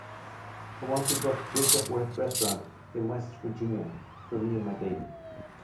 I want to book Jacob Wirth Restaurant in West Virginia for me and my baby.